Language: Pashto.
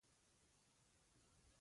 علي هېڅ کار ته نه ټینګېږي.